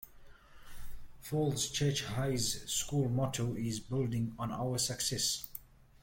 Falls Church High's school motto is "Building on Our Success".